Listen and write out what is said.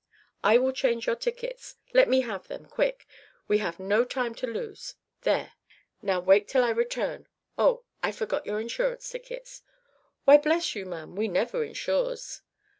I will change your tickets; let me have them, quick; we have no time to lose there now, wait till I return. Oh! I forgot your insurance tickets." "W'y, bless you, ma'am, we never insures."